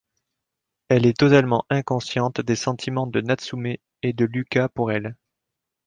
Elle est totalement inconsciente des sentiments de Natsume et de Luca pour elle.